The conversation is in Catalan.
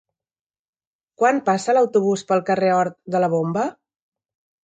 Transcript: Quan passa l'autobús pel carrer Hort de la Bomba?